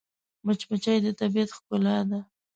مچمچۍ د طبیعت ښکلا ده